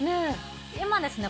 今ですね